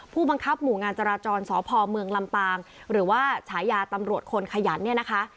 ผู้บังคับหมู่งานจราจรสพเมืองลำปางหรือว่าฉายาตำรวจคนขยันเนี่ยนะคะ